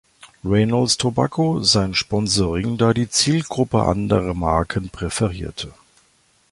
Reynolds Tobacco sein Sponsoring, da die Zielgruppe andere Marken präferierte.